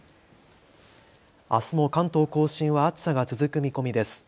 あすも関東甲信は暑さが続く見込みです。